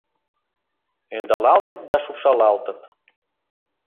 Ӧндалалтыт да шупшалалтыт.